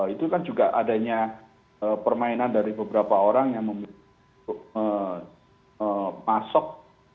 itu kan juga adanya permainan dari beberapa orang yang memilih untuk memasok